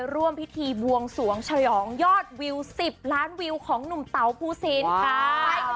ร่วมพิธีบวงสวงชะหยองยอดวิว๑๐ล้านวิวของหนุ่มเตาผู้ซีนค่ะ